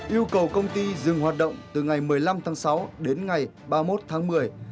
yêu cầu công ty dừng hoạt động từ ngày một mươi năm tháng sáu đến ngày ba mươi một tháng một mươi hai nghìn hai mươi ba